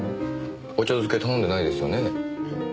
お茶漬け頼んでないですよね。